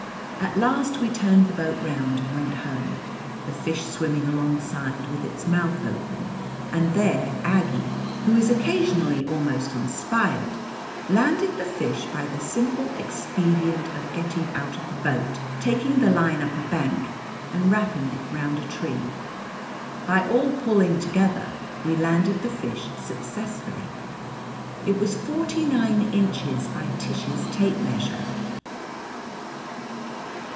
At last we turned the boat round and went home, the fish swimming alongside, with its mouth open. And there Aggie, who is occasionally almost inspired, landed the fish by the simple expedient of getting out of the boat, taking the line up a bank and wrapping it round a tree. By all pulling together we landed the fish successfully. It was forty nine inches by Tish's tape measure.